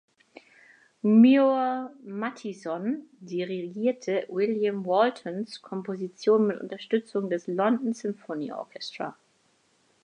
Muir Mathieson dirigierte William Waltons Komposition mit Unterstützung des London Symphony Orchestra.